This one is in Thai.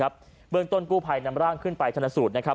เบื้องตนกู้ไพรนำร่างขึ้นไปชนสูตร